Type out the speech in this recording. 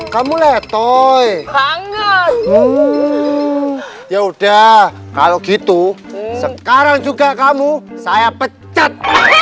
kamu letoy bangga ya udah kalau gitu sekarang juga kamu saya pecat